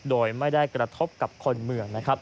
โดยไม่ได้กระทบกับคนเมือง